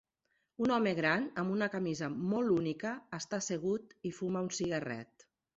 Un home gran amb una camisa molt única està assegut i fuma un cigarret.